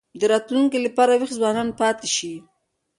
د راتلونکي لپاره وېښ ځوانان پاتې شي.